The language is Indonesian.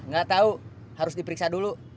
gak tau harus diperiksa dulu